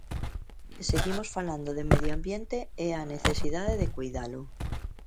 E seguimos falando de medio ambiente e a necesidade de coidalo.